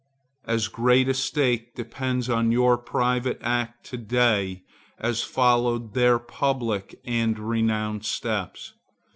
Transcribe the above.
As great a stake depends on your private act to day, as followed their public and renowned steps.